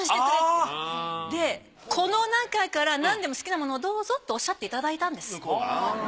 あぁ！でこの中からなんでも好きなものをどうぞっておっしゃっていただいたんです。